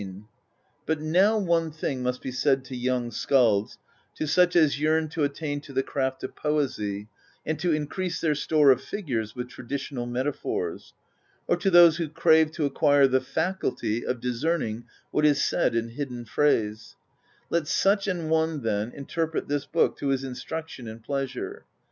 This word as a proper name refers THE POESY OF SKALDS 97 "But now one thing must be said to young skalds, to such as yearn to attain to the craft of poesy and to increase their store of figures with traditional metaphors; or to those who crave to acquire the faculty of discerning what is said in hidden phrase: let such an one, then, interpret this book to his instruction and pleasure.